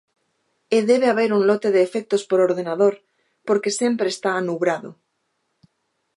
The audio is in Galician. E debe haber un lote de efectos por ordenador porque sempre está anubrado.